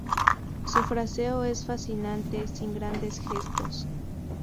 Su fraseo es fascinante, sin grandes gestos.